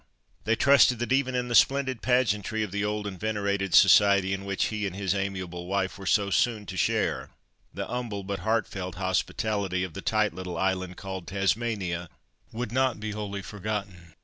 They trusted that even in the splendid pageantry of the old and venerated society, in which he and his amiable wife were so soon to share, the humble, but heartfelt hospitality of the 'tight little island,' called Tasmania would not be wholly forgotten.